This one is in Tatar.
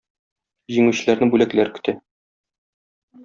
Җиңүчеләрне бүләкләр көтә.